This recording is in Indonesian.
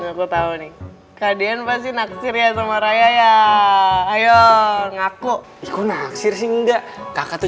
aku tahu nih kak dian pasti naksir ya sama raya ya ayo ngaku ikut naksir sih enggak kakak tuh